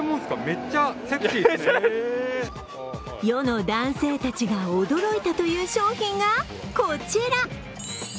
世の男性たちが驚いたという商品がこちら。